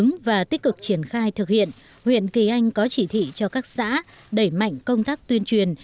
trong và tích cực triển khai thực hiện huyện kỳ anh có chỉ thị cho các xã đẩy mạnh công tác tuyên truyền